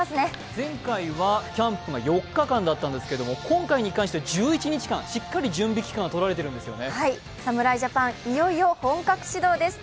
前回はキャンプが４日間だったんですけれども、今回に関しては１１日間、しっかり準備期間を取られているんですよね。